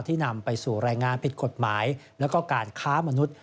ที่นำไปสู่แรงงานผิดกฎหมายและการค้ามนุษย์